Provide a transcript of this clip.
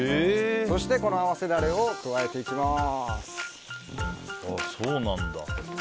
そして、この合わせダレを加えていきます。